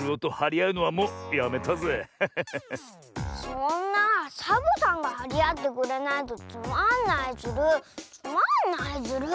そんなサボさんがはりあってくれないとつまんないズルつまんないズル。